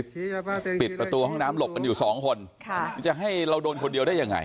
ปิดประตูห้องน้ำหลบกันอยู่สองคนค่ะจะให้เราโดนคนเดียวได้ยังไง